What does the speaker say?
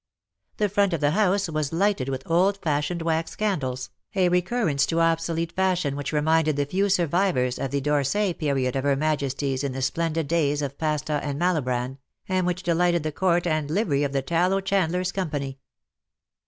The front of the house was lighted with old fashioned wax candles, a recur 216 CUPID AND PSYCHE. rence to obsolete fashion which reminded the few survivors of the D'Orsay period of Her Majesty^s in the splendid days of Pasta and Malibran_, and which delighted the Court and Livery of the Tallow Chandlers^ Company.